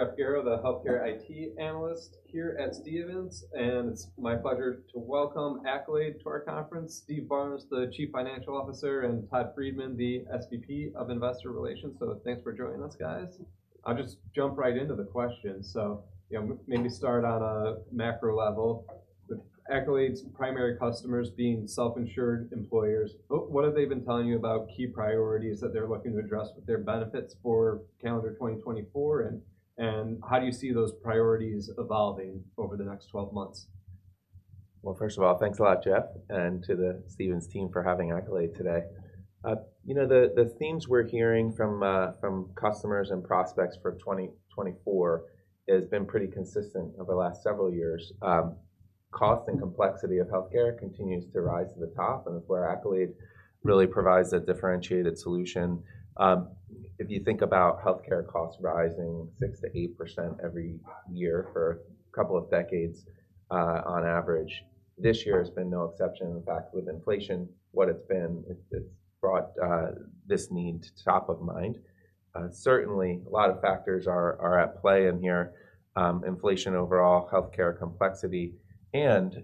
I'm Jeff Garro, the healthcare IT analyst here at Stephens, and it's my pleasure to welcome Accolade to our conference. Steve Barnes, the Chief Financial Officer, and Todd Friedman, the SVP of Investor Relations. So thanks for joining us, guys. I'll just jump right into the questions. So, yeah, maybe start on a macro level. With Accolade's primary customers being self-insured employers, what have they been telling you about key priorities that they're looking to address with their benefits for calendar 2024, and how do you see those priorities evolving over the next 12 months? Well, first of all, thanks a lot, Jeff, and to the Stephens team for having Accolade today. You know, the themes we're hearing from customers and prospects for 2024 has been pretty consistent over the last several years. Cost and complexity of healthcare continues to rise to the top, and where Accolade really provides a differentiated solution. If you think about healthcare costs rising 6%-8% every year for a couple of decades, on average, this year has been no exception. In fact, with inflation, what it's been, it's brought this need to top of mind. Certainly a lot of factors are at play in here, inflation, overall healthcare complexity, and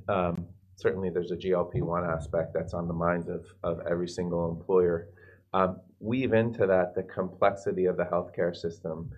certainly there's a GLP-1 aspect that's on the minds of every single employer. Weave into that, the complexity of the healthcare system.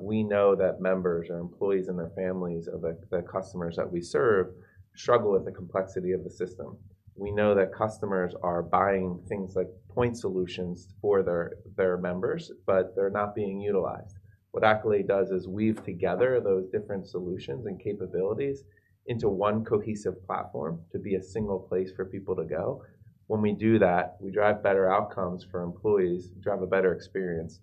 We know that members, our employees and their families, of the, the customers that we serve, struggle with the complexity of the system. We know that customers are buying things like point solutions for their, their members, but they're not being utilized. What Accolade does is weave together those different solutions and capabilities into one cohesive platform, to be a single place for people to go. When we do that, we drive better outcomes for employees, drive a better experience,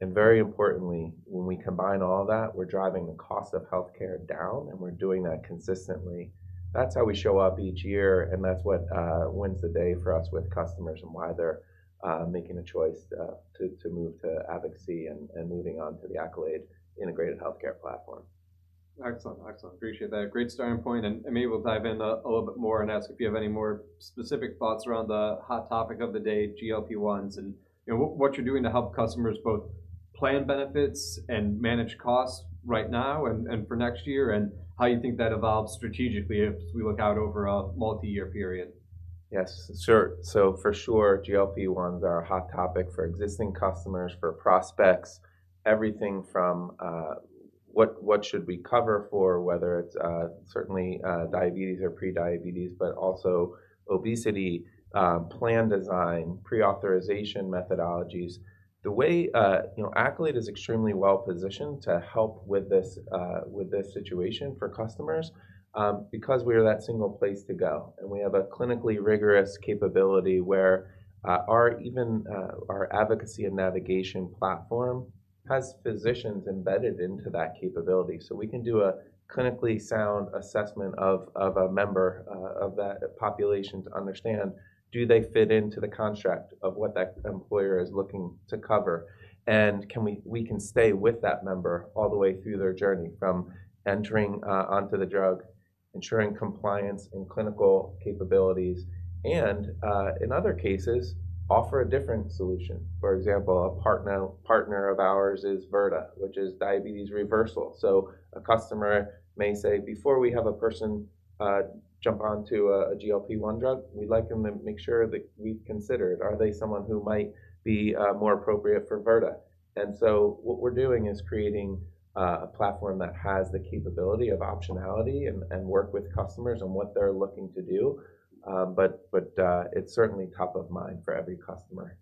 and very importantly, when we combine all that, we're driving the cost of healthcare down, and we're doing that consistently. That's how we show up each year, and that's what wins the day for us with customers and why they're making a choice to move to advocacy and moving on to the Accolade integrated healthcare platform. Excellent. Excellent. Appreciate that. Great starting point, and maybe we'll dive in a little bit more and ask if you have any more specific thoughts around the hot topic of the day, GLP-1s, and, you know, what you're doing to help customers both plan benefits and manage costs right now and for next year, and how you think that evolves strategically as we look out over a multi-year period. Yes, sure. So for sure, GLP-1s are a hot topic for existing customers, for prospects. Everything from, what should we cover for, whether it's certainly diabetes or prediabetes, but also obesity, plan design, pre-authorization methodologies. The way... You know, Accolade is extremely well-positioned to help with this, with this situation for customers, because we are that single place to go, and we have a clinically rigorous capability where our, even our advocacy and navigation platform has physicians embedded into that capability. So we can do a clinically sound assessment of a member of that population, to understand, do they fit into the contract of what that employer is looking to cover? We can stay with that member all the way through their journey, from entering onto the drug, ensuring compliance and clinical capabilities, and in other cases, offer a different solution. For example, a partner of ours is Virta, which is diabetes reversal. So a customer may say, "Before we have a person jump onto a GLP-1 drug, we'd like them to make sure that we've considered, are they someone who might be more appropriate for Virta?" And so what we're doing is creating a platform that has the capability of optionality and work with customers on what they're looking to do. But it's certainly top of mind for every customer.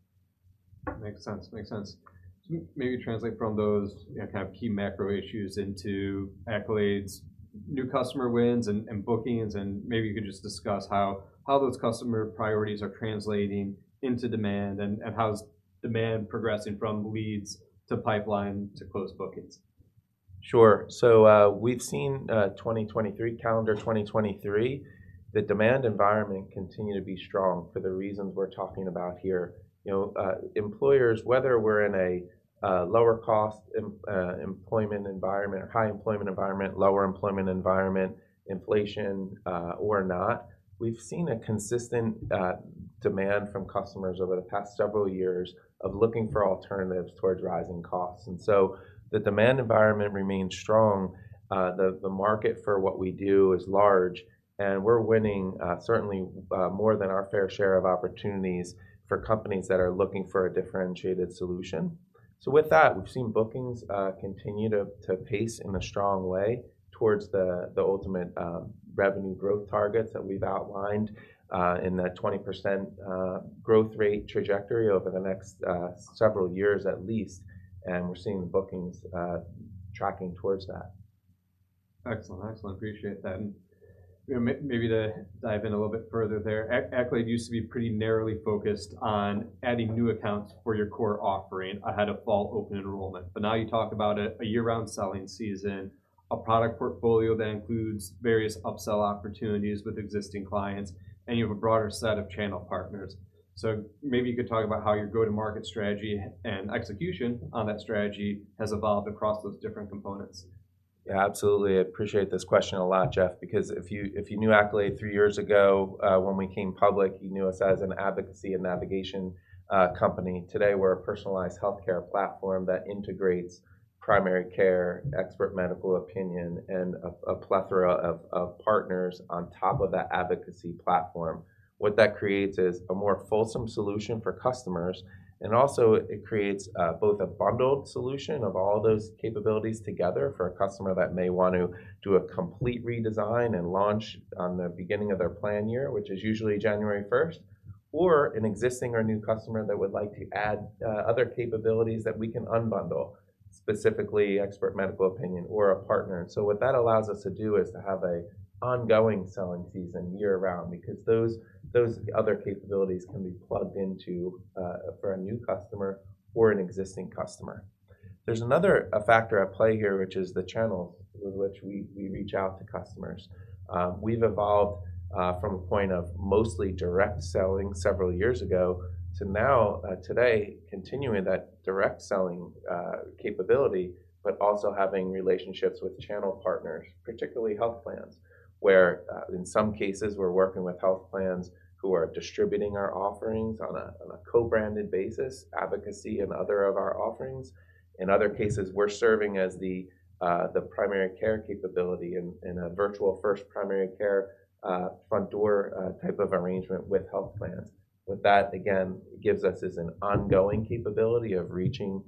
Makes sense. Makes sense. So maybe translate from those kind of key macro issues into Accolade's new customer wins and, and bookings, and maybe you could just discuss how, how those customer priorities are translating into demand, and, and how's demand progressing from leads to pipeline to closed bookings? Sure. So, we've seen, 2023, calendar 2023, the demand environment continue to be strong for the reasons we're talking about here. You know, employers, whether we're in a, lower cost employment environment, high employment environment, lower employment environment, inflation, or not, we've seen a consistent, demand from customers over the past several years of looking for alternatives towards rising costs. And so the demand environment remains strong, the market for what we do is large, and we're winning, certainly, more than our fair share of opportunities for companies that are looking for a differentiated solution. So with that, we've seen bookings continue to pace in a strong way towards the ultimate revenue growth targets that we've outlined in that 20% growth rate trajectory over the next several years at least. And we're seeing the bookings tracking towards that. Excellent. Excellent. Appreciate that. Maybe to dive in a little bit further there, Accolade used to be pretty narrowly focused on adding new accounts for your core offering ahead of fall open enrollment. But now you talk about a year-round selling season, a product portfolio that includes various upsell opportunities with existing clients, and you have a broader set of channel partners. So maybe you could talk about how your go-to-market strategy and execution on that strategy has evolved across those different components. Yeah, absolutely. I appreciate this question a lot, Jeff, because if you knew Accolade three years ago, when we came public, you knew us as an advocacy and navigation company. Today, we're a personalized healthcare platform that integrates primary care, expert medical opinion, and a plethora of partners on top of that advocacy platform. What that creates is a more fulsome solution for customers, and also it creates both a bundled solution of all those capabilities together for a customer that may want to do a complete redesign and launch on the beginning of their plan year, which is usually January first, or an existing or new customer that would like to add other capabilities that we can unbundle, specifically expert medical opinion or a partner. So what that allows us to do is to have an ongoing selling season year-round, because those other capabilities can be plugged into for a new customer or an existing customer. There's another factor at play here, which is the channel with which we reach out to customers. We've evolved from a point of mostly direct selling several years ago, to now, today, continuing that direct selling capability, but also having relationships with channel partners, particularly health plans, where in some cases, we're working with health plans who are distributing our offerings on a co-branded basis, advocacy and other of our offerings. In other cases, we're serving as the primary care capability in a virtual first primary care front door type of arrangement with health plans. What that, again, gives us is an ongoing capability of reaching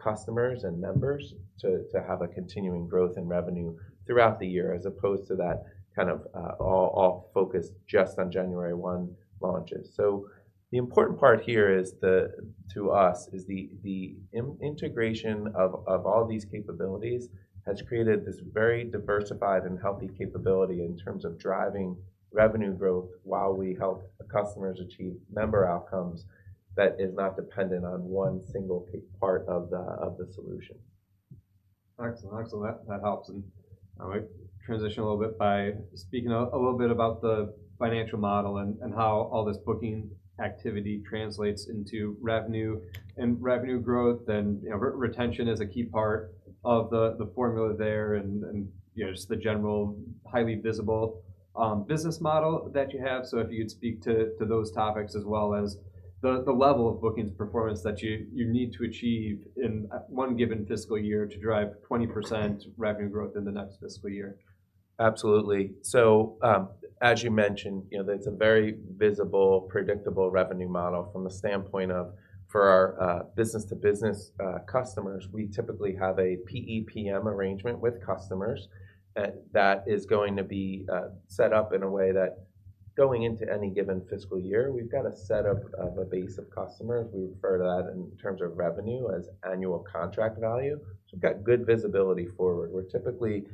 customers and members to have a continuing growth in revenue throughout the year, as opposed to that kind of all focused just on January one launches. So the important part here is, to us, the integration of all these capabilities has created this very diversified and healthy capability in terms of driving revenue growth while we help the customers achieve member outcomes that is not dependent on one single part of the solution. Excellent. Excellent. That helps. And I might transition a little bit by speaking a little bit about the financial model and how all this booking activity translates into revenue and revenue growth. And, you know, retention is a key part of the formula there, and, you know, just the general, highly visible business model that you have. So if you'd speak to those topics, as well as the level of bookings performance that you need to achieve in one given fiscal year to drive 20% revenue growth in the next fiscal year. Absolutely. So, as you mentioned, you know, that it's a very visible, predictable revenue model from a standpoint of, for our, business-to-business, customers, we typically have a PEPM arrangement with customers. That is going to be set up in a way that going into any given fiscal year, we've got a set of a base of customers. We refer to that in terms of revenue as annual contract value. So we've got good visibility forward. We're typically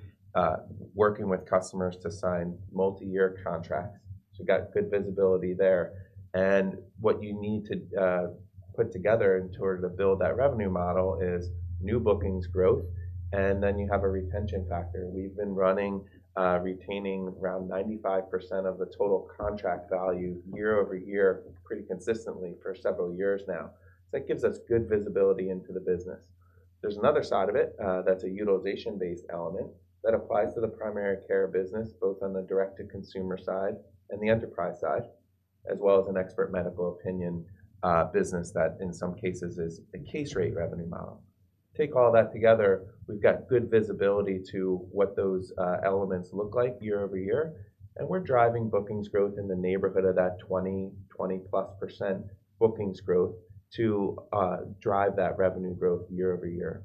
working with customers to sign multi-year contracts, so we've got good visibility there. And what you need to put together in order to build that revenue model is new bookings growth, and then you have a retention factor. We've been running retaining around 95% of the total contract value year-over-year, pretty consistently for several years now. So that gives us good visibility into the business. There's another side of it, that's a utilization-based element that applies to the primary care business, both on the direct-to-consumer side and the enterprise side, as well as an expert medical opinion business that, in some cases, is a case rate revenue model. Take all that together, we've got good visibility to what those elements look like year-over-year, and we're driving bookings growth in the neighborhood of that, 20%+ bookings growth to drive that revenue growth year-over-year.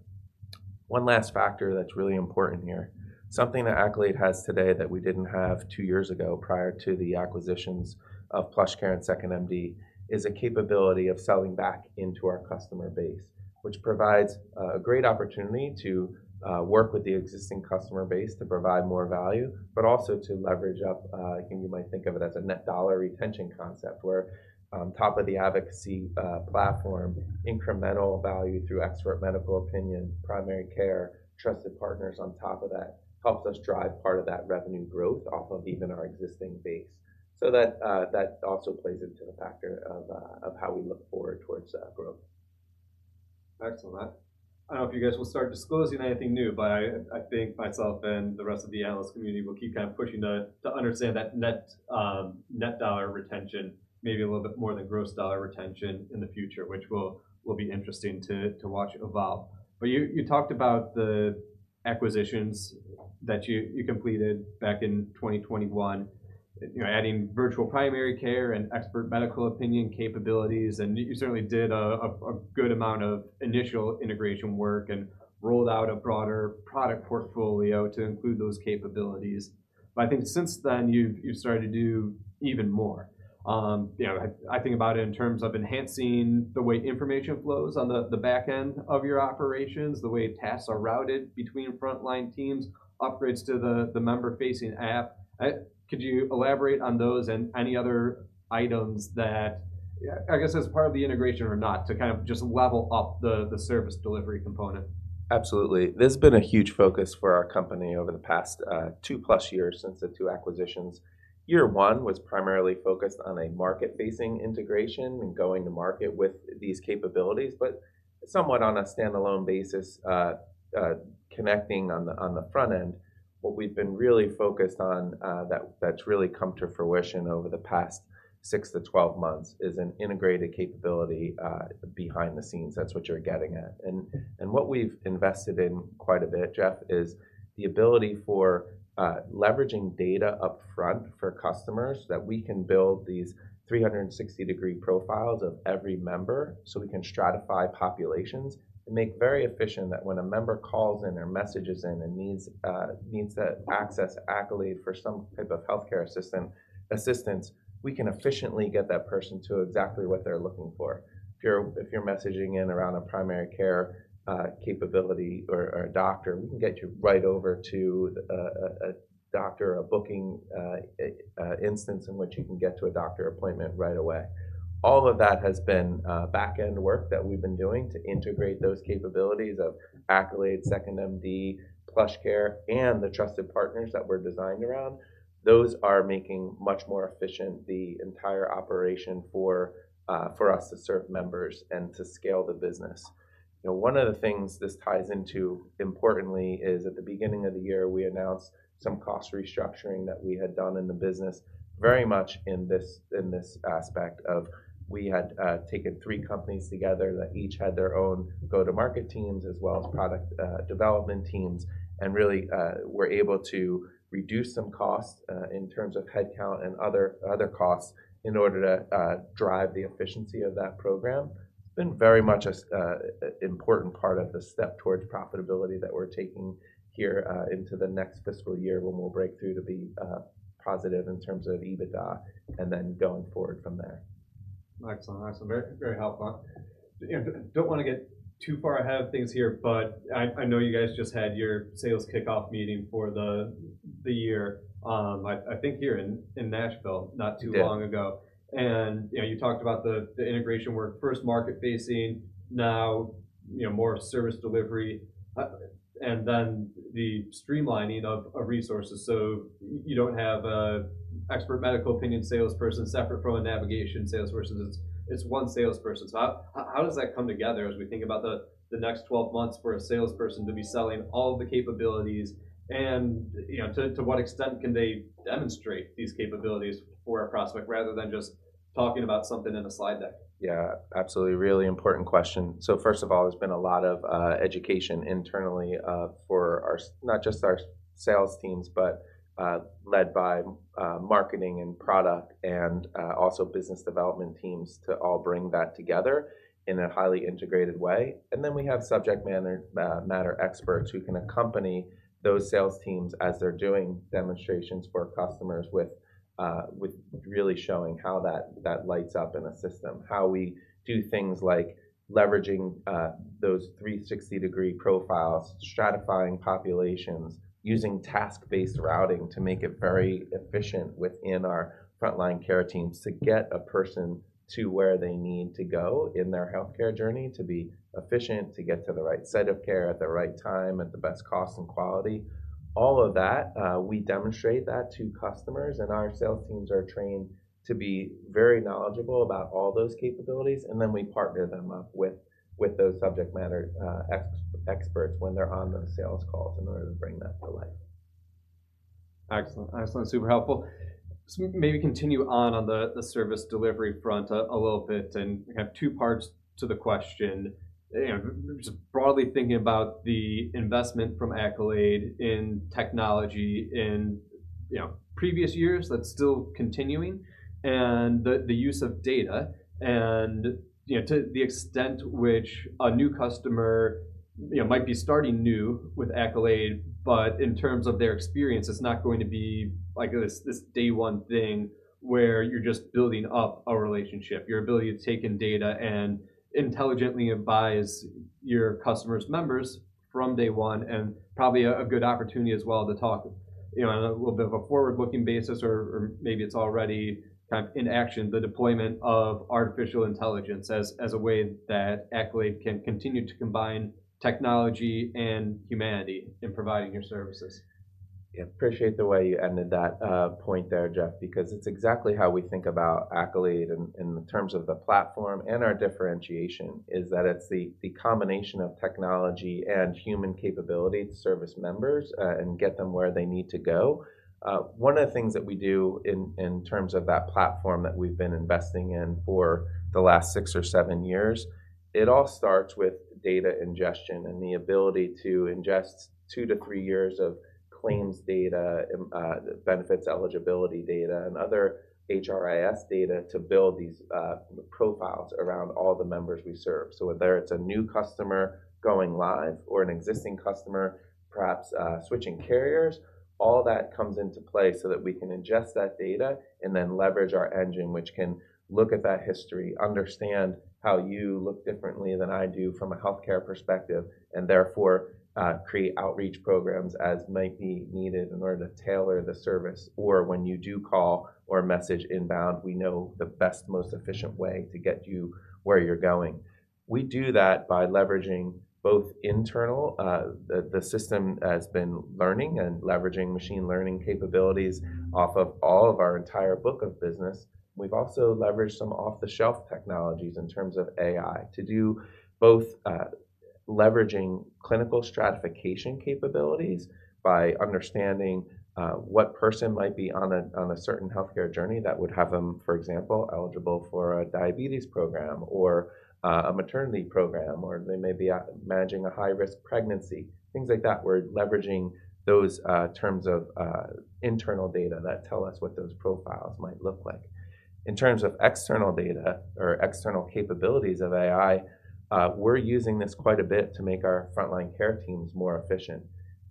One last factor that's really important here, something that Accolade has today that we didn't have two years ago prior to the acquisitions of PlushCare and 2nd.MD, is a capability of selling back into our customer base, which provides a great opportunity to work with the existing customer base to provide more value, but also to leverage up, you might think of it as a net dollar retention concept, where top of the advocacy platform, incremental value through expert medical opinion, primary care, trusted partners on top of that, helps us drive part of that revenue growth off of even our existing base. So that, that also plays into the factor of how we look forward towards that growth. Excellent. I don't know if you guys will start disclosing anything new, but I think myself and the rest of the analyst community will keep kind of pushing to understand that net dollar retention, maybe a little bit more than gross dollar retention in the future, which will be interesting to watch evolve. But you talked about the acquisitions that you completed back in 2021, you know, adding virtual primary care and expert medical opinion capabilities, and you certainly did a good amount of initial integration work and rolled out a broader product portfolio to include those capabilities. But I think since then, you've started to do even more. You know, I think about it in terms of enhancing the way information flows on the back end of your operations, the way tasks are routed between frontline teams, upgrades to the member-facing app. Could you elaborate on those and any other items that, yeah, I guess as part of the integration or not, to kind of just level up the service delivery component? Absolutely. This has been a huge focus for our company over the past 2+ years, since the two acquisitions. Year 1 was primarily focused on a market-facing integration and going to market with these capabilities. Somewhat on a standalone basis, connecting on the front end, what we've been really focused on, that's really come to fruition over the past 6-12 months, is an integrated capability behind the scenes. That's what you're getting at. And what we've invested in quite a bit, Jeff, is the ability for leveraging data upfront for customers, that we can build these 360-degree profiles of every member, so we can stratify populations and make very efficient that when a member calls in or messages in and needs to access Accolade for some type of healthcare system assistance, we can efficiently get that person to exactly what they're looking for. If you're messaging in around a primary care capability or a doctor, we can get you right over to a doctor booking instance in which you can get to a doctor appointment right away. All of that has been backend work that we've been doing to integrate those capabilities of Accolade, 2nd.MD, PlushCare, and the trusted partners that we're designed around. Those are making much more efficient the entire operation for us to serve members and to scale the business. You know, one of the things this ties into, importantly, is at the beginning of the year, we announced some cost restructuring that we had done in the business, very much in this aspect of we had taken three companies together that each had their own go-to-market teams, as well as product development teams, and really were able to reduce some costs in terms of headcount and other costs in order to drive the efficiency of that program. It's been very much a important part of the step towards profitability that we're taking here, into the next fiscal year, when we'll break through to be positive in terms of EBITDA, and then going forward from there. Excellent. Excellent. Very, very helpful. You know, don't wanna get too far ahead of things here, but I know you guys just had your sales kickoff meeting for the year, I think here in Nashville, not too long ago. Yeah. You know, you talked about the integration work, first market-facing, now, you know, more service delivery, and then the streamlining of resources. So you don't have an expert medical opinion salesperson separate from a navigation salesperson. It's one salesperson. So how does that come together as we think about the next 12 months for a salesperson to be selling all the capabilities? You know, to what extent can they demonstrate these capabilities for a prospect, rather than just talking about something in a slide deck? Yeah, absolutely. Really important question. So first of all, there's been a lot of education internally for our... not just our sales teams, but led by marketing and product, and also business development teams, to all bring that together in a highly integrated way. And then we have subject matter experts who can accompany those sales teams as they're doing demonstrations for customers with really showing how that lights up in a system. How we do things like leveraging those 360-degree profiles, stratifying populations, using task-based routing to make it very efficient within our frontline care teams, to get a person to where they need to go in their healthcare journey, to be efficient, to get to the right site of care at the right time, at the best cost and quality. All of that, we demonstrate that to customers, and our sales teams are trained to be very knowledgeable about all those capabilities, and then we partner them up with, with those subject matter experts when they're on those sales calls in order to bring that to life. Excellent. Excellent. Super helpful. So maybe continue on the service delivery front a little bit, and I have two parts to the question. You know, just broadly thinking about the investment from Accolade in technology in, you know, previous years, that's still continuing, and the use of data and, you know, to the extent which a new customer, you know, might be starting new with Accolade, but in terms of their experience, it's not going to be like this day one thing, where you're just building up a relationship. Your ability to take in data and intelligently advise your customer's members from day one, and probably a good opportunity as well to talk, you know, on a little bit of a forward-looking basis, maybe it's already kind of in action, the deployment of artificial intelligence as a way that Accolade can continue to combine technology and humanity in providing your services. Yeah. Appreciate the way you ended that point there, Jeff, because it's exactly how we think about Accolade in the terms of the platform and our differentiation, is that it's the combination of technology and human capability to service members and get them where they need to go. One of the things that we do in terms of that platform that we've been investing in for the last six or seven years, it all starts with data ingestion, and the ability to ingest two to three years of claims data, benefits eligibility data, and other HRIS data to build these profiles around all the members we serve. So whether it's a new customer going live or an existing customer, perhaps, switching carriers, all that comes into play so that we can ingest that data and then leverage our engine, which can look at that history, understand how you look differently than I do from a healthcare perspective, and therefore, create outreach programs as might be needed in order to tailor the service. Or when you do call or message inbound, we know the best, most efficient way to get you where you're going. We do that by leveraging both internal, the system has been learning and leveraging machine learning capabilities off of all of our entire book of business. We've also leveraged some off-the-shelf technologies in terms of AI, to do both... Leveraging clinical stratification capabilities by understanding what person might be on a certain healthcare journey that would have them, for example, eligible for a diabetes program or a maternity program, or they may be managing a high-risk pregnancy, things like that. We're leveraging those terms of internal data that tell us what those profiles might look like. In terms of external data or external capabilities of AI, we're using this quite a bit to make our frontline care teams more efficient.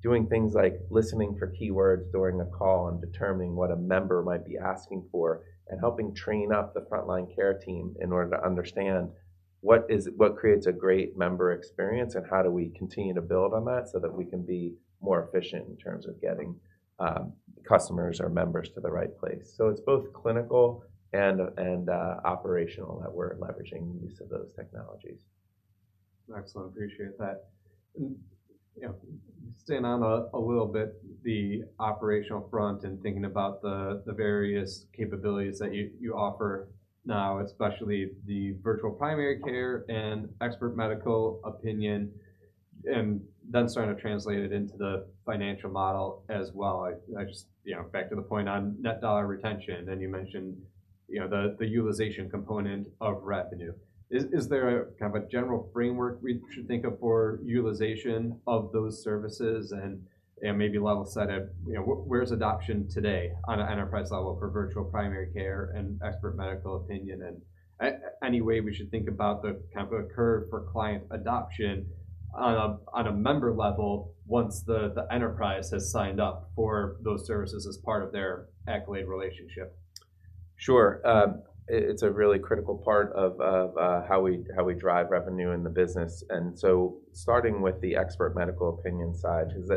Doing things like listening for keywords during a call and determining what a member might be asking for, and helping train up the frontline care team in order to understand what creates a great member experience, and how do we continue to build on that so that we can be more efficient in terms of getting customers or members to the right place. So it's both clinical and operational that we're leveraging use of those technologies. Excellent. Appreciate that. And, you know, staying on a little bit the operational front and thinking about the various capabilities that you offer now, especially the virtual primary care and expert medical opinion, and then starting to translate it into the financial model as well. I just, you know, back to the point on net dollar retention, and you mentioned, you know, the utilization component of revenue. Is there a kind of a general framework we should think of for utilization of those services? And, and maybe level set at, you know, where's adoption today on an enterprise level for virtual primary care and expert medical opinion, and, any way we should think about the kind of a curve for client adoption on a, on a member level once the, the enterprise has signed up for those services as part of their Accolade relationship? Sure. It's a really critical part of how we drive revenue in the business, and so starting with the expert medical opinion side is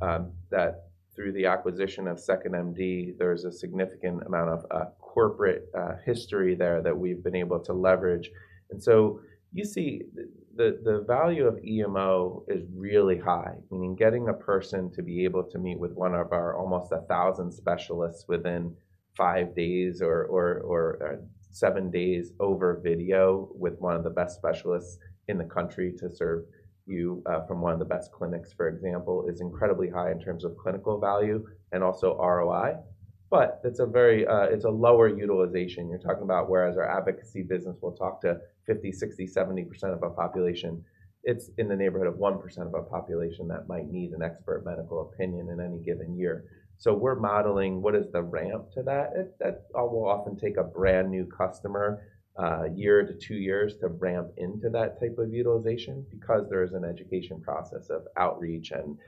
that through the acquisition of 2nd.MD, there's a significant amount of corporate history there that we've been able to leverage. And so you see, the value of EMO is really high. I mean, getting a person to be able to meet with one of our almost 1,000 specialists within five days or seven days over video with one of the best specialists in the country to serve you from one of the best clinics, for example, is incredibly high in terms of clinical value and also ROI. But it's a very, it's a lower utilization. You're talking about whereas our advocacy business will talk to 50%, 60%, 70% of our population, it's in the neighborhood of 1% of our population that might need an expert medical opinion in any given year. So we're modeling what is the ramp to that. It will often take a brand-new customer a year to two years to ramp into that type of utilization because there is an education process of outreach and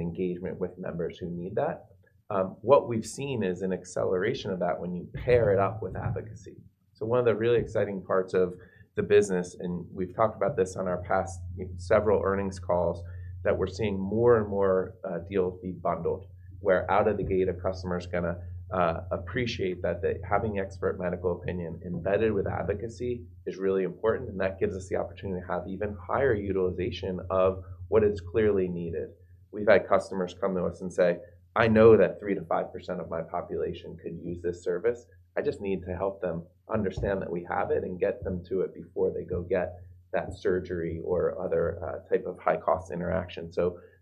engagement with members who need that. What we've seen is an acceleration of that when you pair it up with advocacy. One of the really exciting parts of the business, and we've talked about this on our past several earnings calls, that we're seeing more and more deals be bundled, where out of the gate, a customer's gonna appreciate that that having Expert Medical Opinion embedded with advocacy is really important, and that gives us the opportunity to have even higher utilization of what is clearly needed. We've had customers come to us and say, "I know that 3%-5% of my population could use this service. I just need to help them understand that we have it and get them to it before they go get that surgery or other type of high-cost interaction."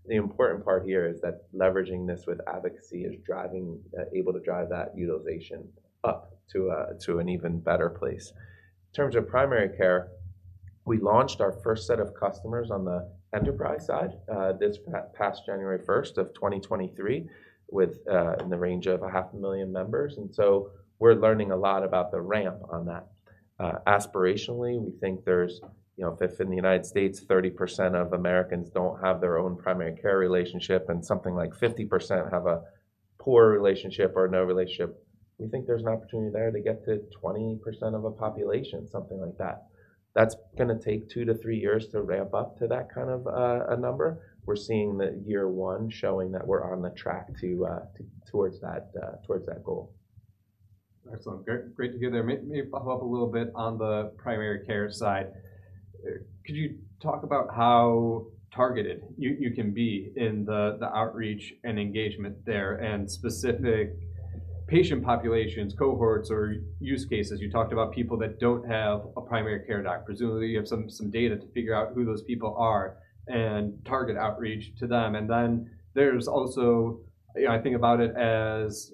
The important part here is that leveraging this with advocacy is driving able to drive that utilization up to an even better place. In terms of primary care, we launched our first set of customers on the enterprise side, this past January 1, 2023, with in the range of 500,000 members, and so we're learning a lot about the ramp on that. Aspirationally, we think there's, you know, if in the United States, 30% of Americans don't have their own primary care relationship, and something like 50% have a poor relationship or no relationship, we think there's an opportunity there to get to 20% of a population, something like that. That's gonna take two to three years to ramp up to that kind of a number. We're seeing year one showing that we're on the track to towards that goal. Excellent. Great, great to hear there. Let me follow up a little bit on the primary care side. Could you talk about how targeted you can be in the outreach and engagement there, and specific patient populations, cohorts, or use cases? You talked about people that don't have a primary care doc. Presumably, you have some data to figure out who those people are and target outreach to them. And then there's also... You know, I think about it as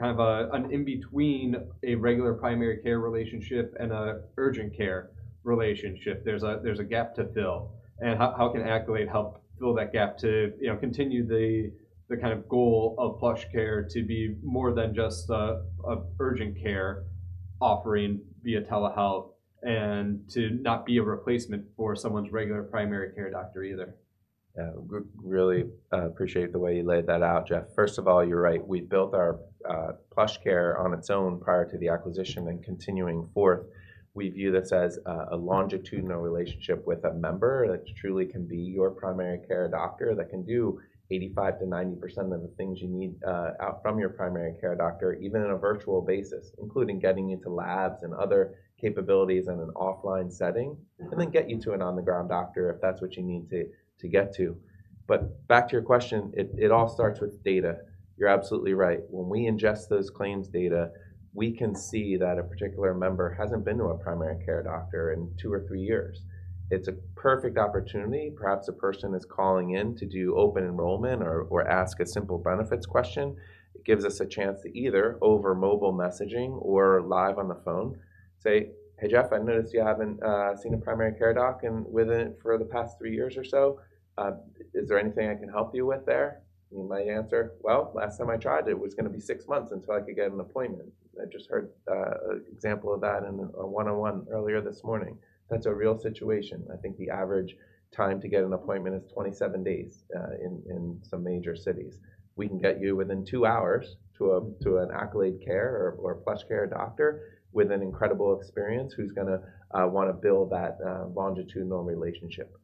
kind of an in-between a regular primary care relationship and a urgent care relationship. There's a gap to fill. How can Accolade help fill that gap to, you know, continue the kind of goal of PlushCare to be more than just a urgent care offering via telehealth, and to not be a replacement for someone's regular primary care doctor either? Yeah. Really, appreciate the way you laid that out, Jeff. First of all, you're right. We built our PlushCare on its own prior to the acquisition and continuing we view this as a longitudinal relationship with a member, that truly can be your primary care doctor, that can do 85%-90% of the things you need out from your primary care doctor, even on a virtual basis, including getting you to labs and other capabilities in an offline setting, and then get you to an on-the-ground doctor if that's what you need to get to. But back to your question, it all starts with data. You're absolutely right. When we ingest those claims data, we can see that a particular member hasn't been to a primary care doctor in two or three years. It's a perfect opportunity. Perhaps a person is calling in to do open enrollment or ask a simple benefits question. It gives us a chance to either, over mobile messaging or live on the phone, say, "Hey, Jeff, I noticed you haven't seen a primary care doc in within the past three years or so. Is there anything I can help you with there?" He might answer, "Well, last time I tried, it was gonna be six months until I could get an appointment." I just heard an example of that in a one-on-one earlier this morning. That's a real situation. I think the average time to get an appointment is 27 days in some major cities. We can get you within two hours to an Accolade Care or PlushCare doctor with an incredible experience, who's gonna wanna build that longitudinal relationship.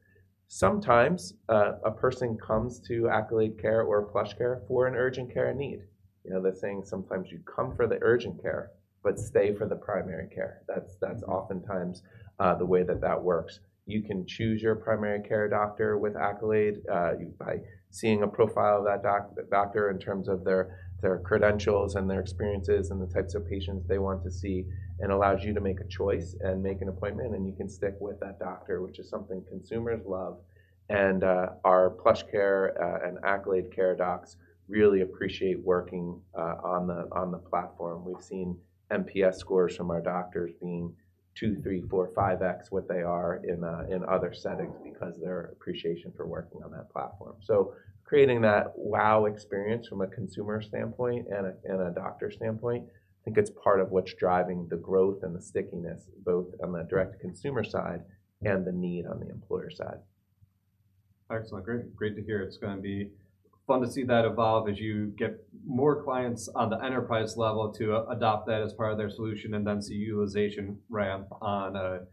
Sometimes, a person comes to Accolade Care or PlushCare for an urgent care need. You know the saying, sometimes you come for the urgent care, but stay for the primary care. That's oftentimes the way that that works. You can choose your primary care doctor with Accolade by seeing a profile of that doctor in terms of their credentials and their experiences, and the types of patients they want to see, and allows you to make a choice and make an appointment, and you can stick with that doctor, which is something consumers love. And our PlushCare and Accolade Care docs really appreciate working on the platform. We've seen NPS scores from our doctors being two, three, four, 5x what they are in other settings, because of their appreciation for working on that platform. Creating that wow experience from a consumer standpoint and a doctor standpoint, I think it's part of what's driving the growth and the stickiness, both on the direct consumer side and the need on the employer side. Excellent. Great, great to hear. It's gonna be fun to see that evolve as you get more clients on the enterprise level to adopt that as part of their solution, and then see utilization ramp on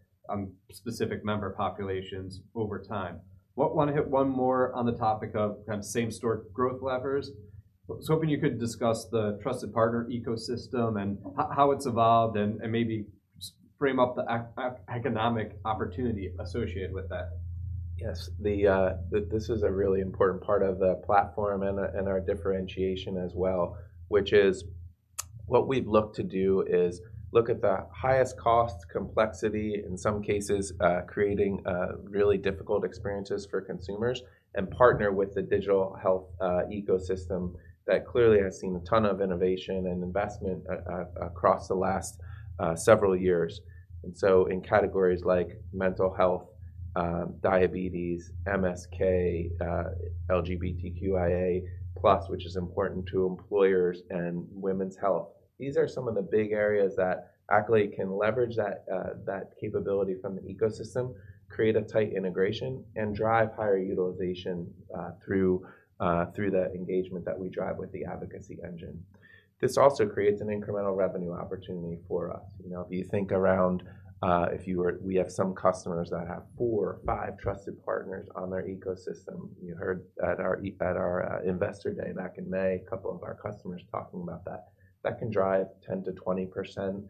specific member populations over time. Wanna hit one more on the topic of kind of same-store growth levers. I was hoping you could discuss the trusted partner ecosystem and how it's evolved, and maybe just frame up the economic opportunity associated with that. Yes. The this is a really important part of the platform and, and our differentiation as well, which is, what we'd look to do is look at the highest cost complexity, in some cases, creating really difficult experiences for consumers, and partner with the digital health ecosystem that clearly has seen a ton of innovation and investment across the last several years. And so in categories like mental health, diabetes, MSK, LGBTQIA+, which is important to employers, and women's health, these are some of the big areas that Accolade can leverage that capability from the ecosystem, create a tight integration, and drive higher utilization through the engagement that we drive with the advocacy engine. This also creates an incremental revenue opportunity for us. You know, if you think around, we have some customers that have four, five trusted partners on their ecosystem. You heard at our investor day back in May, a couple of our customers talking about that. That can drive 10%-20%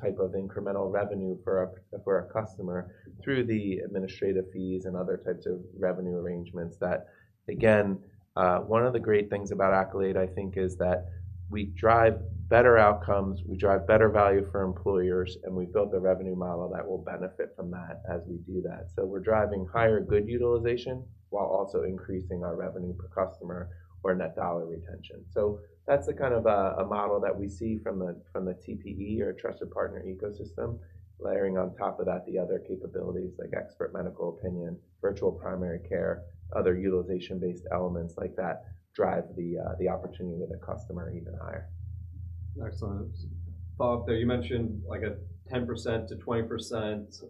type of incremental revenue for a customer through the administrative fees and other types of revenue arrangements, that again, one of the great things about Accolade, I think, is that we drive better outcomes, we drive better value for employers, and we build a revenue model that will benefit from that as we do that. So we're driving higher good utilization, while also increasing our revenue per customer or net dollar retention. So that's the kind of a model that we see from the TPE, or a trusted partner ecosystem. Layering on top of that, the other capabilities, like expert medical opinion, virtual primary care, other utilization-based elements like that, drive the opportunity with the customer even higher. Excellent. Follow up there, you mentioned like a 10%-20%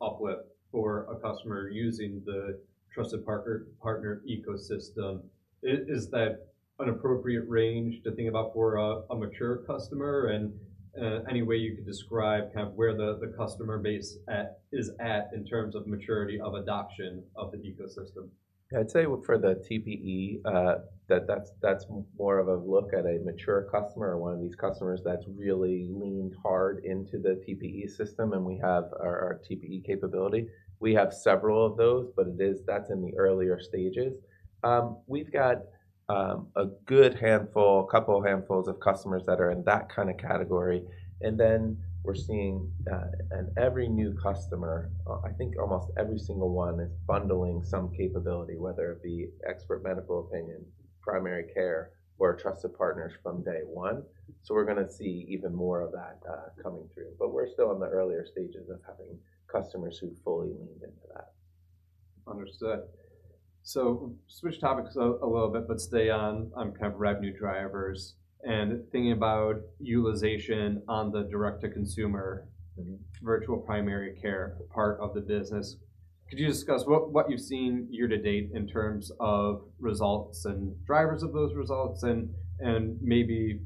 uplift for a customer using the trusted partner, partner ecosystem. Is that an appropriate range to think about for a mature customer? And any way you could describe kind of where the customer base is at in terms of maturity of adoption of the ecosystem? I'd say for the TPE, that that's more of a look at a mature customer or one of these customers that's really leaned hard into the TPE system, and we have our, our TPE capability. We have several of those, but it is, that's in the earlier stages. We've got a good handful, a couple of handfuls of customers that are in that kind of category, and then we're seeing and every new customer, I think almost every single one, is bundling some capability, whether it be expert medical opinion, primary care, or trusted partners from day one. So we're gonna see even more of that coming through. But we're still in the earlier stages of having customers who've fully leaned into that. Understood. So switch topics a little bit, but stay on kind of revenue drivers and thinking about utilization on the direct-to-consumer virtual primary care part of the business... Could you discuss what you've seen year to date in terms of results and drivers of those results, and maybe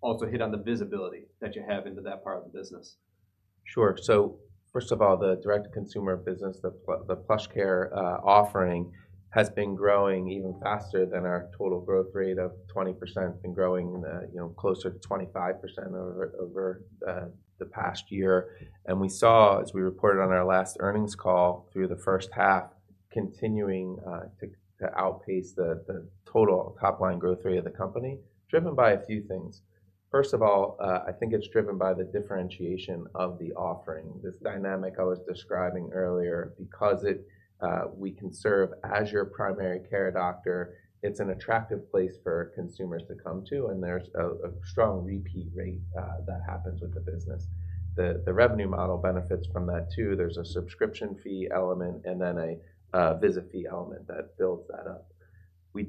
also hit on the visibility that you have into that part of the business? Sure. So first of all, the direct-to-consumer business, the PlushCare offering, has been growing even faster than our total growth rate of 20%, and growing, you know, closer to 25% over the past year. And we saw, as we reported on our last earnings call, through the first half, continuing to outpace the total top line growth rate of the company, driven by a few things. First of all, I think it's driven by the differentiation of the offering. This dynamic I was describing earlier, because it, we can serve as your primary care doctor, it's an attractive place for consumers to come to, and there's a strong repeat rate that happens with the business. The revenue model benefits from that, too. There's a subscription fee element, and then a visit fee element that builds that up. We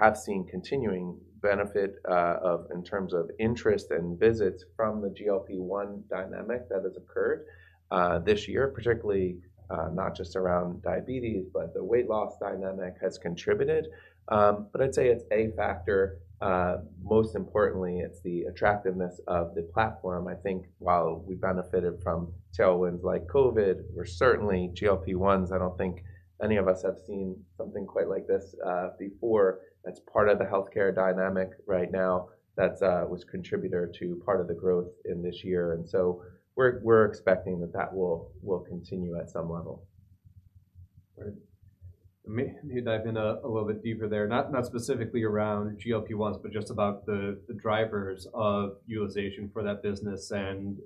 have seen continuing benefit of in terms of interest and visits from the GLP-1 dynamic that has occurred this year, particularly not just around diabetes, but the weight loss dynamic has contributed. But I'd say it's a factor. Most importantly, it's the attractiveness of the platform. I think while we benefited from tailwinds like COVID, we're certainly GLP-1s. I don't think any of us have seen something quite like this before. That's part of the healthcare dynamic right now. That's was contributor to part of the growth in this year, and so we're expecting that that will continue at some level. All right. Let me dive in a little bit deeper there. Not specifically around GLP-1s, but just about the drivers of utilization for that business, and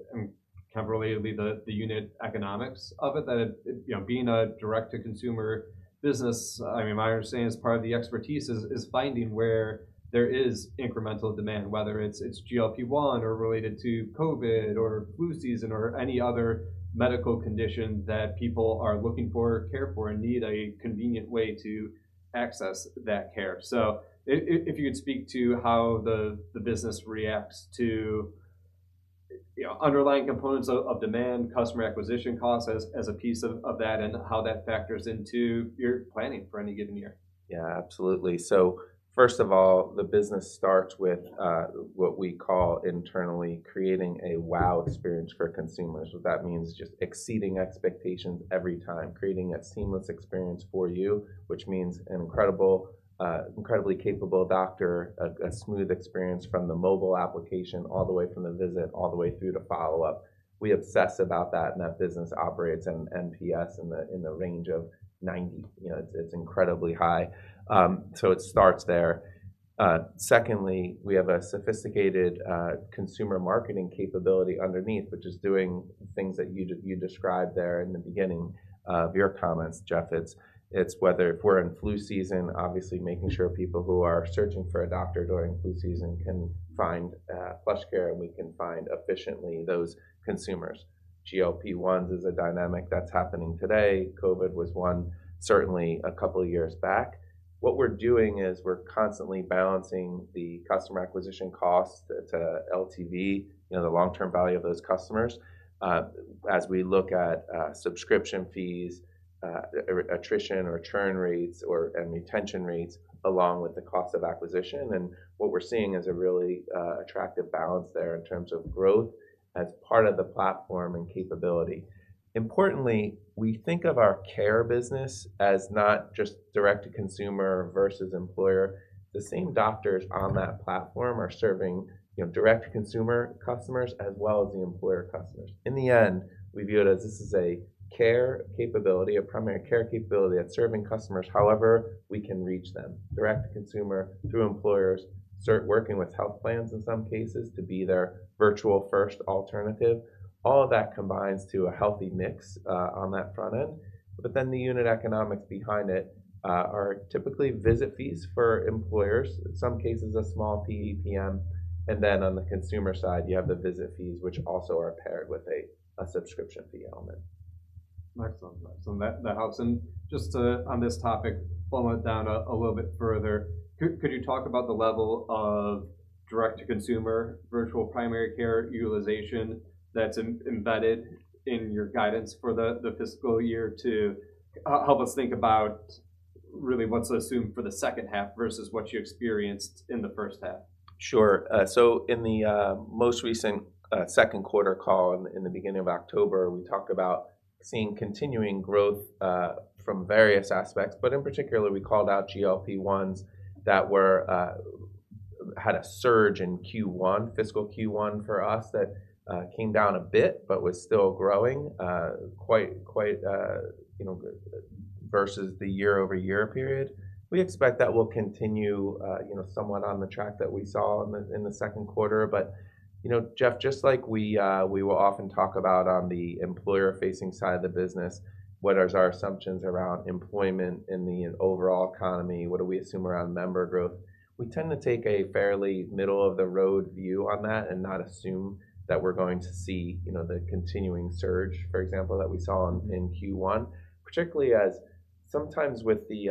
can relatedly, the unit economics of it, that it... You know, being a direct-to-consumer business, I mean, my understanding is part of the expertise is finding where there is incremental demand, whether it's GLP-1, or related to COVID, or flu season, or any other medical condition that people are looking for care for and need a convenient way to access that care. So if you could speak to how the business reacts to, you know, underlying components of demand, customer acquisition costs as a piece of that, and how that factors into your planning for any given year. Yeah, absolutely. So first of all, the business starts with what we call internally, creating a wow experience for consumers. What that means, just exceeding expectations every time, creating a seamless experience for you, which means an incredible, incredibly capable doctor, a smooth experience from the mobile application, all the way from the visit, all the way through to follow-up. We obsess about that, and that business operates in NPS in the range of 90. You know, it's incredibly high. So it starts there. Secondly, we have a sophisticated consumer marketing capability underneath, which is doing things that you described there in the beginning of your comments, Jeff. It's, it's whether if we're in flu season, obviously making sure people who are searching for a doctor during flu season can find, PlushCare, and we can find efficiently those consumers. GLP-1s is a dynamic that's happening today. COVID was one, certainly, a couple of years back. What we're doing is we're constantly balancing the customer acquisition cost to LTV, you know, the long-term value of those customers, as we look at, subscription fees, or attrition or churn rates or, and retention rates, along with the cost of acquisition. And what we're seeing is a really, attractive balance there in terms of growth as part of the platform and capability. Importantly, we think of our care business as not just direct to consumer versus employer. The same doctors on that platform are serving, you know, direct consumer customers as well as the employer customers. In the end, we view it as this is a care capability, a primary care capability that's serving customers however we can reach them. Direct to consumer, through employers, start working with health plans in some cases, to be their virtual-first alternative. All of that combines to a healthy mix on that front end, but then the unit economics behind it are typically visit fees for employers, in some cases, a small PEPM, and then on the consumer side, you have the visit fees, which also are paired with a subscription fee element. Excellent. So that helps, and just to, on this topic, follow it down a little bit further, could you talk about the level of direct-to-consumer virtual primary care utilization that's embedded in your guidance for the fiscal year to help us think about really what to assume for the second half, versus what you experienced in the first half? Sure. So in the most recent second quarter call in the beginning of October, we talked about seeing continuing growth from various aspects, but in particular, we called out GLP-1s that were... had a surge in Q1, fiscal Q1 for us, that came down a bit, but was still growing quite, quite you know, versus the year-over-year period. We expect that will continue you know, somewhat on the track that we saw in the second quarter, but you know, Jeff, just like we will often talk about on the employer-facing side of the business, what is our assumptions around employment in the overall economy? What do we assume around member growth? We tend to take a fairly middle-of-the-road view on that, and not assume that we're going to see, you know, the continuing surge, for example, that we saw in Q1. Particularly as sometimes with the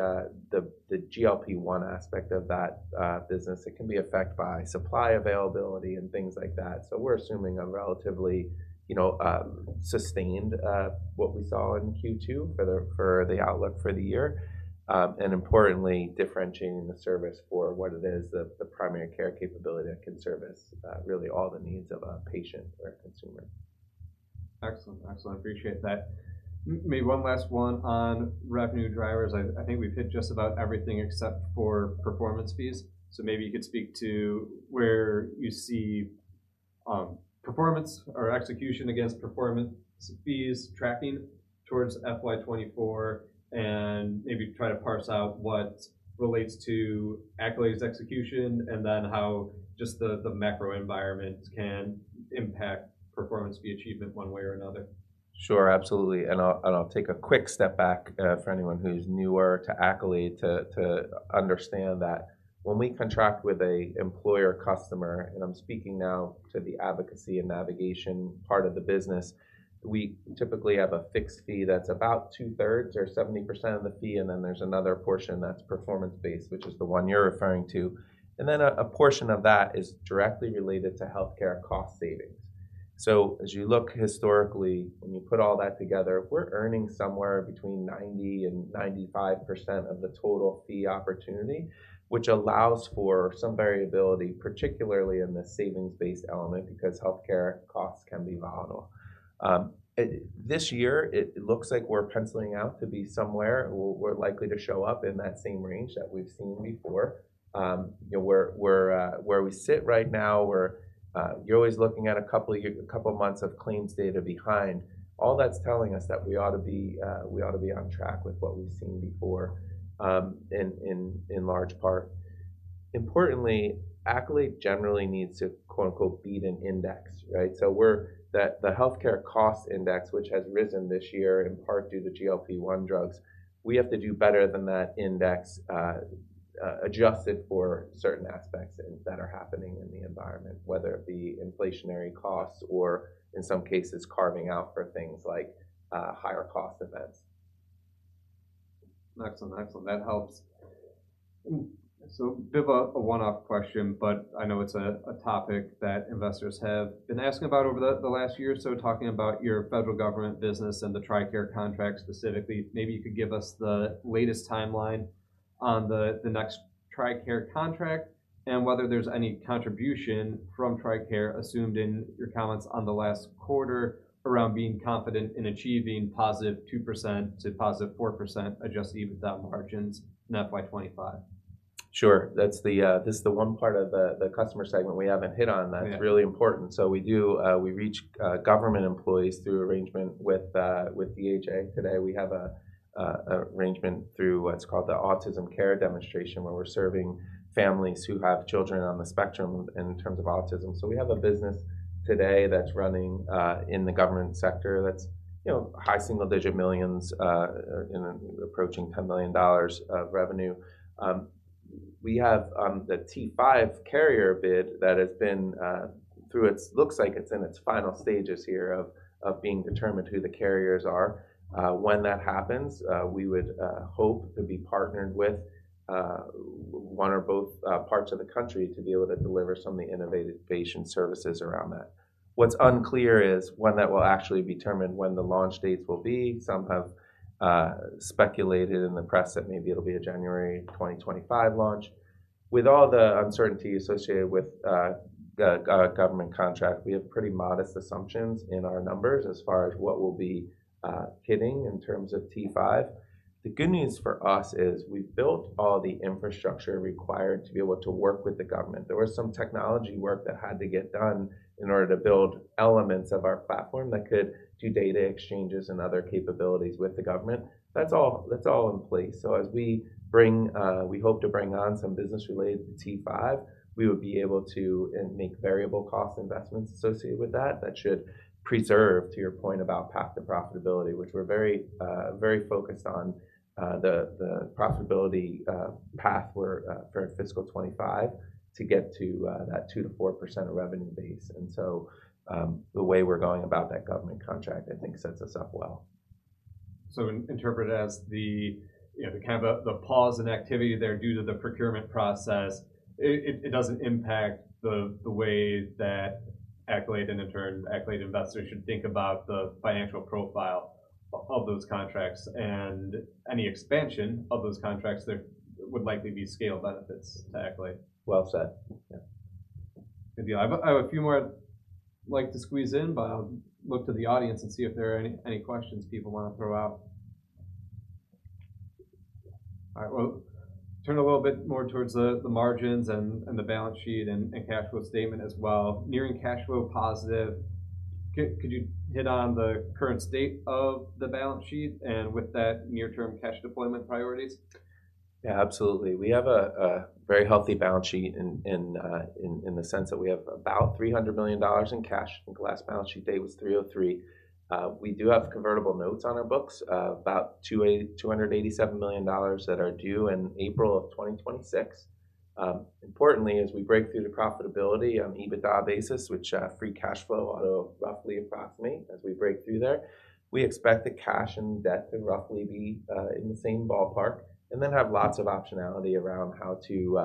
GLP-1 aspect of that business, it can be affected by supply availability and things like that. So we're assuming a relatively, you know, sustained what we saw in Q2 for the outlook for the year. And importantly, differentiating the service for what it is, the primary care capability that can service really all the needs of a patient or a consumer. Excellent. Excellent. I appreciate that. Maybe one last one on revenue drivers. I think we've hit just about everything except for performance fees, so maybe you could speak to where you see performance or execution against performance fees tracking towards FY 2024, and maybe try to parse out what relates to Accolade's execution, and then how just the macro environment can impact performance fee achievement one way or another. Sure, absolutely, and I'll take a quick step back for anyone who's newer to Accolade, to understand that when we contract with a employer customer, and I'm speaking now to the advocacy and navigation part of the business, we typically have a fixed fee that's about two-thirds or 70% of the fee, and then there's another portion that's performance-based, which is the one you're referring to. And then a portion of that is directly related to healthcare cost savings. So as you look historically, when you put all that together, we're earning somewhere between 90% and 95% of the total fee opportunity, which allows for some variability, particularly in the savings-based element, because healthcare costs can be volatile. This year, it looks like we're penciling out to be somewhere we're likely to show up in that same range that we've seen before. You know, where we sit right now, we're. You're always looking at a couple of months of claims data behind. All that's telling us that we ought to be on track with what we've seen before, in large part. Importantly, Accolade generally needs to, quote, unquote, “beat an index,” right? So we're. That the healthcare cost index, which has risen this year, in part due to GLP-1 drugs, we have to do better than that index, adjusted for certain aspects that are happening in the environment, whether it be inflationary costs or, in some cases, carving out for things like higher cost events. Excellent, excellent. That helps. So a bit of a one-off question, but I know it's a topic that investors have been asking about over the last year. So talking about your federal government business and the TRICARE contract, specifically, maybe you could give us the latest timeline on the next TRICARE contract, and whether there's any contribution from TRICARE assumed in your comments on the last quarter, around being confident in achieving +2% to +4% Adjusted EBITDA margins in FY 2025. Sure. That's the, this is the one part of the customer segment we haven't hit on, that- Yeah... it's really important. So we do, we reach, government employees through arrangement with, with DHA. Today, we have a arrangement through what's called the Autism Care Demonstration, where we're serving families who have children on the spectrum in terms of autism. So we have a business today that's running, in the government sector, that's, you know, high single-digit millions, you know, approaching $10 million of revenue. We have, the T-5 carrier bid that has been, through its- looks like it's in its final stages here, of, of being determined who the carriers are. When that happens, we would, hope to be partnered with, one or both, parts of the country, to be able to deliver some of the innovative patient services around that. What's unclear is when that will actually determine when the launch dates will be. Some have speculated in the press that maybe it'll be a January 2025 launch. With all the uncertainty associated with the government contract, we have pretty modest assumptions in our numbers, as far as what we'll be hitting in terms of T-5. The good news for us is, we've built all the infrastructure required to be able to work with the government. There was some technology work that had to get done in order to build elements of our platform that could do data exchanges and other capabilities with the government. That's all, that's all in place, so as we bring, we hope to bring on some business related to T-5, we would be able to, make variable cost investments associated with that, that should preserve, to your point about path to profitability, which we're very, very focused on, the, the profitability, path for, for fiscal 2025, to get to, that 2%-4% revenue base. And so, the way we're going about that government contract, I think sets us up well. So interpret as the, you know, the kind of pause in activity there due to the procurement process, it doesn't impact the way that Accolade, and in turn, Accolade investors should think about the financial profile of those contracts, and any expansion of those contracts, there would likely be scale benefits to Accolade. Well said. Yeah. I have a few more I'd like to squeeze in, but I'll look to the audience and see if there are any questions people wanna throw out. All right, we'll turn a little bit more towards the margins and the balance sheet and cash flow statement as well. Nearing cash flow positive, could you hit on the current state of the balance sheet, and with that, near-term cash deployment priorities? Yeah, absolutely. We have a very healthy balance sheet in the sense that we have about $300 million in cash. I think the last balance sheet date was $303. We do have convertible notes on our books, about two eight- $287 million that are due in April of 2026. Importantly, as we break through to profitability on EBITDA basis, which, free cash flow auto roughly approximate as we break through there, we expect the cash and debt to roughly be in the same ballpark, and then have lots of optionality around how to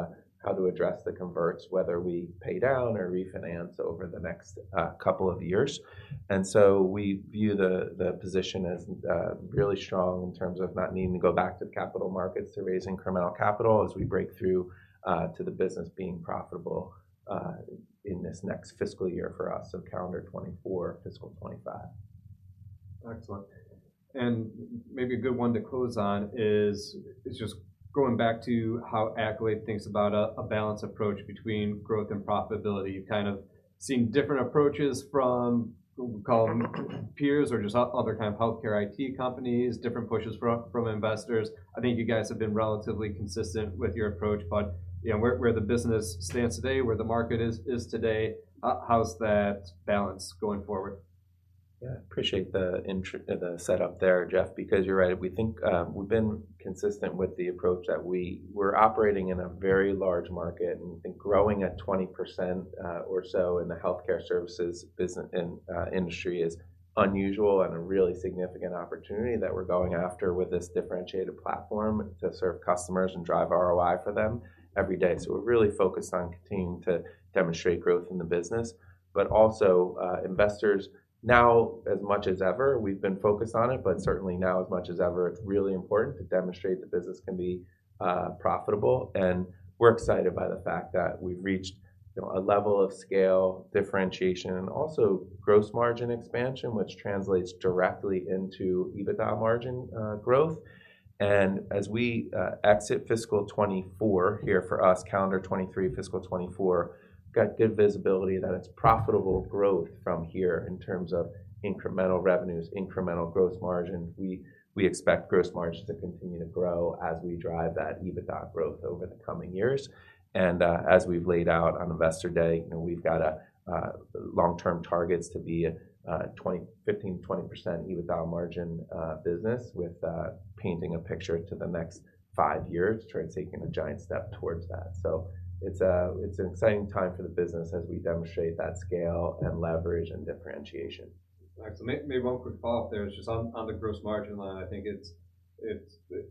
address the converts, whether we pay down or refinance over the next couple of years. So we view the position as really strong in terms of not needing to go back to the capital markets to raising incremental capital as we break through to the business being profitable in this next fiscal year for us, so calendar 2024, fiscal 2025. Excellent. And maybe a good one to close on is just going back to how Accolade thinks about a balanced approach between growth and profitability. You're kind of seeing different approaches from, we'll call them, peers or just other kind of healthcare IT companies, different pushes from investors. I think you guys have been relatively consistent with your approach, but, you know, where the business stands today, where the market is today, how's that balance going forward? Yeah, appreciate the setup there, Jeff, because you're right. We think we've been consistent with the approach that we... We're operating in a very large market, and we think growing at 20%, or so, in the healthcare services business in the industry is unusual, and a really significant opportunity that we're going after with this differentiated platform to serve customers and drive ROI for them every day. So we're really focused on continuing to demonstrate growth in the business, but also, investors now, as much as ever, we've been focused on it, but certainly now as much as ever, it's really important to demonstrate the business can be profitable. And we're excited by the fact that we've reached, you know, a level of scale, differentiation, and also gross margin expansion, which translates directly into EBITDA margin growth. As we exit fiscal 2024, here for us, calendar 2023, fiscal 2024, got good visibility that it's profitable growth from here in terms of incremental revenues, incremental gross margin. We expect gross margin to continue to grow as we drive that EBITDA growth over the coming years. As we've laid out on Investor Day, you know, we've got long-term targets to be a 15%-20% EBITDA margin business, with painting a picture to the next five years, trying to taking a giant step towards that. It's an exciting time for the business as we demonstrate that scale and leverage and differentiation. Excellent. Maybe one quick follow-up there, just on the gross margin line. I think it's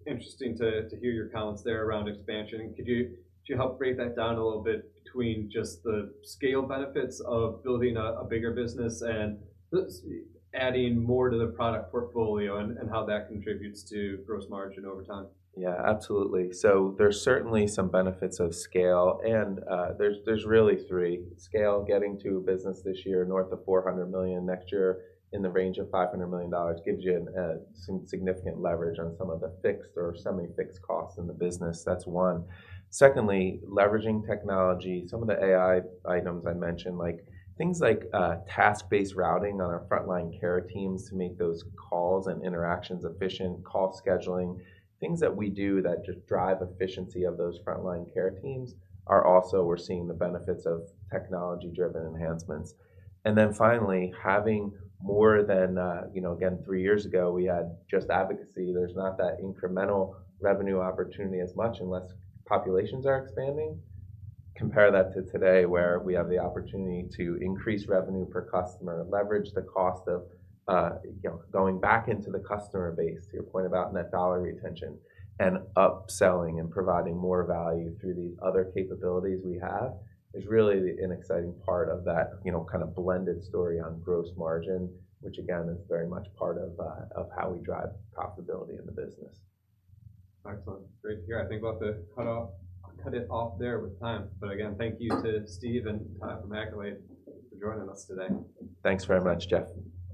interesting to hear your comments there around expansion. Could you help break that down a little bit between just the scale benefits of building a bigger business and let's see, adding more to the product portfolio and how that contributes to gross margin over time? Yeah, absolutely. So there's certainly some benefits of scale, and there's really three. Scale, getting to a business this year, north of $400 million, next year in the range of $500 million, gives you some significant leverage on some of the fixed or semi-fixed costs in the business. That's one. Secondly, leveraging technology. Some of the AI items I mentioned, like, things like, task-based routing on our frontline care teams to make those calls and interactions efficient, call scheduling, things that we do that just drive efficiency of those frontline care teams, are also we're seeing the benefits of technology-driven enhancements. And then finally, having more than, you know, again, three years ago, we had just advocacy. There's not that incremental revenue opportunity as much, unless populations are expanding. Compare that to today, where we have the opportunity to increase revenue per customer, leverage the cost of, you know, going back into the customer base, to your point about net dollar retention, and upselling and providing more value through these other capabilities we have, is really an exciting part of that, you know, kind of blended story on gross margin, which again, is very much part of how we drive profitability in the business. Excellent. Great to hear. I think we'll have to cut off, cut it off there with time. But again, thank you to Steve and from Accolade for joining us today. Thanks very much, Jeff.